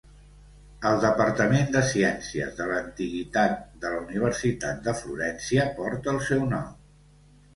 El departament de Ciències de l'Antiguitat de la Universitat de Florència porta el seu nom.